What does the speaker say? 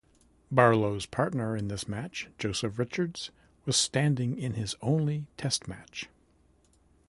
Barlow's partner in this match, Joseph Richards, was standing in his only Test match.